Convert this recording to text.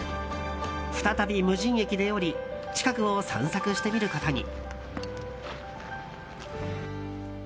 再び無人駅で降り近くを散策してみることに。